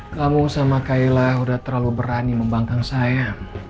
kamu sama kaila udah terlalu berani membangkang saya